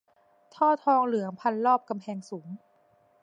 ท่อทองเหลืองพันรอบกำแพงสูง